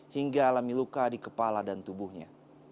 hingga alami luka di kepala dan tubuhnya